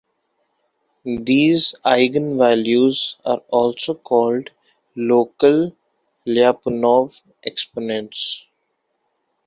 These eigenvalues are also called local Lyapunov exponents.